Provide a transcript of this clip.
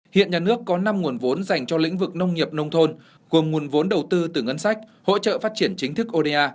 hiện nhà nước có năm nguồn vốn dành cho lĩnh vực nông nghiệp nông thôn gồm nguồn vốn đầu tư từ ngân sách hỗ trợ phát triển chính thức oda